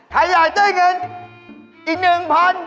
ใครอยากได้เงินอีกหนึ่งพัน